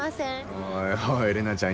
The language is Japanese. おいおいれなちゃん